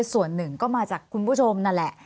ส่วนหนึ่งก็มาจากคุณผู้ชมนั่นแหละ